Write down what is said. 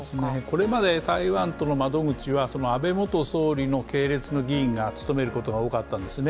これまで台湾との窓口は安倍元総理の系列の議員が務めることが多かったんですね。